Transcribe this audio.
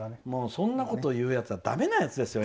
そんなことを言うやつはだめなやつですよ。